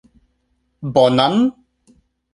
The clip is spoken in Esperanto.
Bonan?